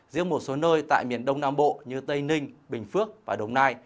riêng một số nơi tại miền đông nam bộ như tây ninh bình phước và đồng nai